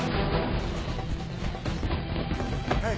はい。